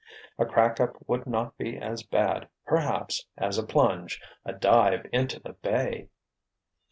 A crack up would not be as bad, perhaps, as a plunge, a dive into the bay!